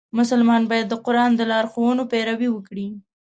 مسلمان باید د قرآن د لارښوونو پیروي وکړي.